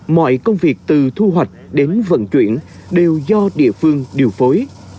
mọi công việc từ thu hoạch đến vận chuyển đều do địa phương điều phối